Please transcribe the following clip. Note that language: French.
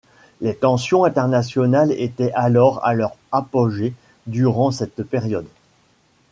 Les tensions internationales étaient alors à leur apogée durant cette période.